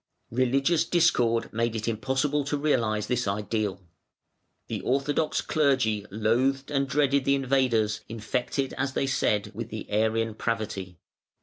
Religious discord made it impossible to realise this ideal The orthodox clergy loathed and dreaded the invaders "infected", as they said, "with the Arian pravity".